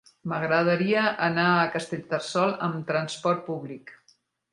M'agradaria anar a Castellterçol amb trasport públic.